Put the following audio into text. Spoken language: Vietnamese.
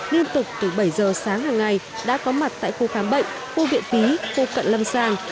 liên tục từ bảy giờ sáng hàng ngày đã có mặt tại khu khám bệnh khu viện phí khu cận lâm sàng